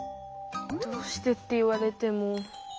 「どうして」って言われても。